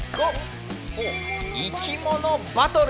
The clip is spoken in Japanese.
「いきものバトル」。